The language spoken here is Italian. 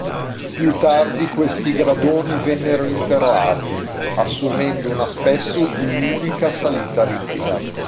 Più tardi questi gradoni vennero interrati, assumendo un aspetto di un'unica salita ripida.